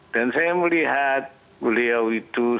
dan saya melihat beliau itu seorang